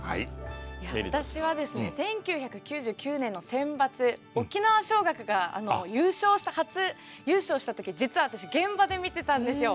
私はですね１９９９年のセンバツ沖縄尚学が初優勝した時実は私現場で見てたんですよ。